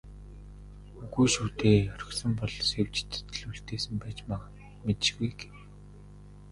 "Үгүй шүү дээ, орхисон бол Сэвжидэд л үлдээсэн байж мэдэшгүй" гэв.